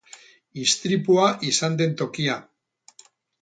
Istripua izan den tokia.